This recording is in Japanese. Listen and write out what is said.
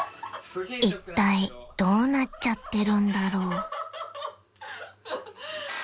［いったいどうなっちゃってるんだろう］